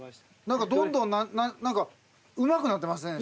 何かどんどんうまくなってますね